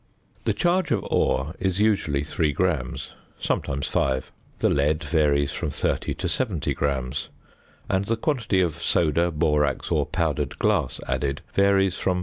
~ The charge of ore is usually 3 grams, sometimes 5; the lead varies from 30 to 70 grams, and the quantity of soda, borax, or powdered glass added varies from 0.